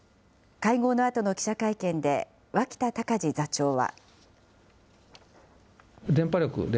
会合のあとの記者会見で、脇田隆字座長は。